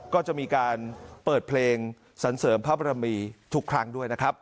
ก็จะมีการเปิดเพลงสรรเสริมพระบรมีทุกครั้งด้วยนะครับ